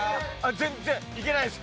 全然いけないです。